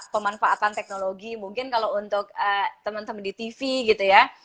pemanfaatan teknologi mungkin kalau untuk teman teman di tv gitu ya